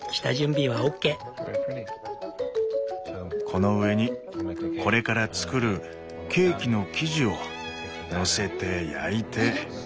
この上にこれからつくるケーキの生地をのせて焼いて。